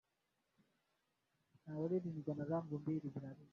haistahili ukizingatia kwamba nchi mbalimbali zina